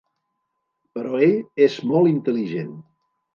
Però ell és molt intel·ligent ...